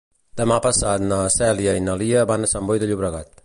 Demà passat na Cèlia i na Lia van a Sant Boi de Llobregat.